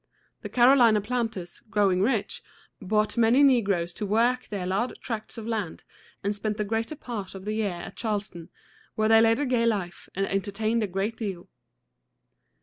The Carolina planters, growing rich, bought many negroes to work their large tracts of land, and spent the greater part of the year at Charleston, where they led a gay life and entertained a great deal.